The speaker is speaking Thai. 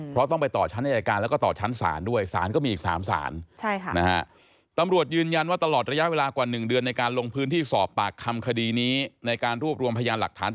เพราะต้องไปต่อชั้นในจัดการแล้วก็ต่อชั้นศาลด้วย